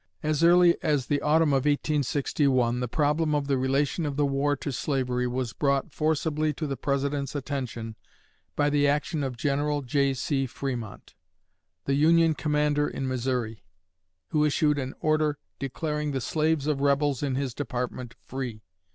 As early as the autumn of 1861 the problem of the relation of the war to slavery was brought forcibly to the President's attention by the action of General J.C. Frémont, the Union commander in Missouri, who issued an order declaring the slaves of rebels in his department free.